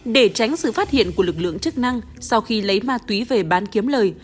để tránh sự phát hiện của lực lượng chức năng sau khi lấy ma túy về bán kiếm lời